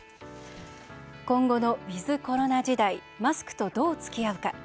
今後のウィズコロナ時代マスクと、どうつきあうか。